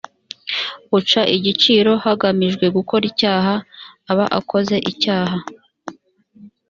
uca igico hagamijwe gukora icyaha, aba akoze icyaha